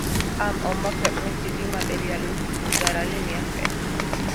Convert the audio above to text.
ამ ომმა ქვეყანას დიდი მატერიალური ზარალი მიაყენა.